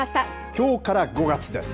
きょうから５月です。